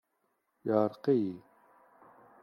Yeɛreq-iyi.